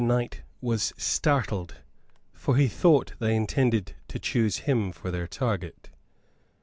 The knight was startled, for he thought they intended to choose him for their target.